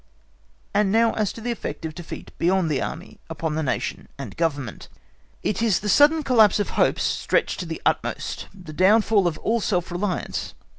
And now as to the effect of defeat beyond the Army, upon the Nation and Government! It is the sudden collapse of hopes stretched to the utmost, the downfall of all self reliance.